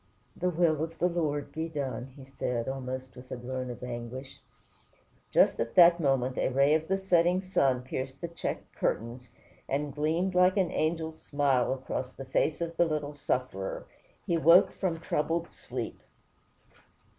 "The will of the Lord be done," said he, almost with a groan of anguish. Just at that moment a ray of the setting sun pierced the checked curtains, and gleamed like an angel's smile across the face of the little sufferer. He woke from troubled sleep.